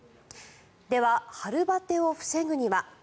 では、春バテを防ぐには。